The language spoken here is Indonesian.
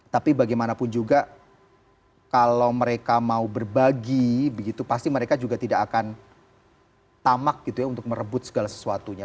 tapi bagaimanapun juga kalau mereka mau berbagi begitu pasti mereka juga tidak akan tamak gitu ya untuk merebut segala sesuatunya